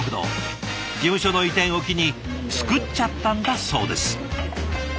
事務所の移転を機に作っちゃったんだそうです。